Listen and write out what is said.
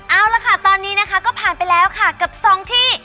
เอาละค่ะตอนนี้นะคะก็ผ่านไปแล้วค่ะกับสองที่